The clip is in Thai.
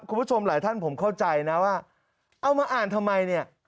คุณผู้ชมหลายท่านผมเข้าใจนะว่าเอามาอ่านทำไมเนี่ย